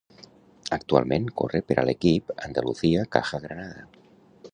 Actualment corre per a l'equip Andalucía Caja Granada.